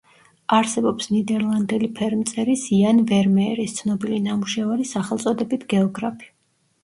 არსებობს ნიდერლანდელი ფერმწერის იან ვერმეერის ცნობილი ნამუშევარი სახელწოდებით „გეოგრაფი“.